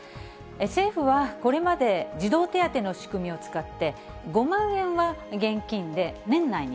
政府はこれまで、児童手当の仕組みを使って５万円は現金で年内に。